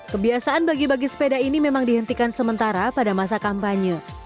kebiasaan bagi bagi sepeda ini memang dihentikan sementara pada masa kampanye